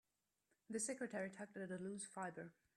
The secretary tugged at a loose fibre.